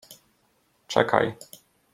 - Czekaj.